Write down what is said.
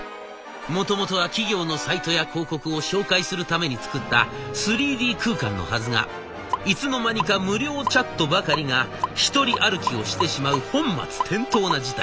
もともとは企業のサイトや広告を紹介するために作った３Ｄ空間のはずがいつの間にか無料チャットばかりが独り歩きをしてしまう本末転倒な事態に。